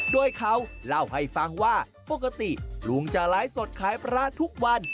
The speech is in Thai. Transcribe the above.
โดยเขาเล่าให้ฟังว่าปกติลุงจะไลฟ์สดขายปลาทุกวัน